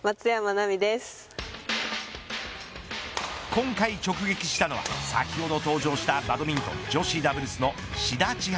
今回直撃したのは先ほど登場したバドミントン女子ダブルスの志田千陽。